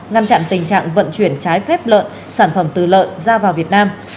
ngăn chặn tình trạng vận chuyển trái phép lợn sản phẩm từ lợn ra vào việt nam